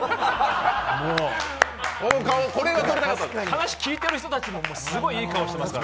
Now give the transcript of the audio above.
もう話、聞いてる人たちもすごい、いい顔してますから。